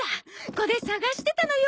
これ捜してたのよ。